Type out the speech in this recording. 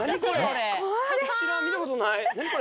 見たことない。